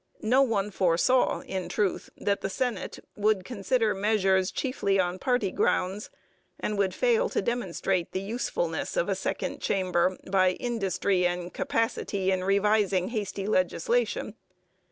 No one foresaw, in truth, that the Senate would consider measures chiefly on party grounds, and would fail to demonstrate the usefulness of a second chamber by industry and capacity in revising hasty legislation.